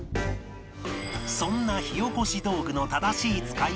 そんな火おこし道具の正しい使い方は